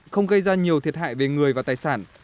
không gây ra nhiều thiệt hại về người và tài sản